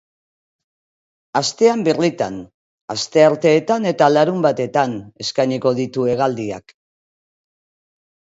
Astean birritan, astearteetan eta larunbatetan, eskainiko ditu hegaldiak.